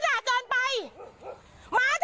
หมาจะกัดอยู่บนถนนหาว่ากูด่าหมาเกินไป